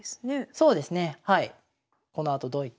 そうですねはい。